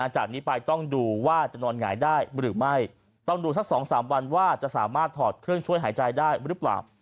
จากนี้ไปต้องดูว่าจะนอนหงายได้หรือไม่ต้องดูสัก๒๓วันว่าจะสามารถถอดเครื่องช่วยหายใจได้หรือเปล่า